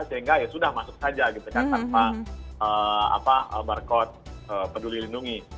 sehingga ya sudah masuk saja gitu kan tanpa barcode peduli lindungi